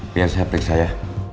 biar saya periksa ya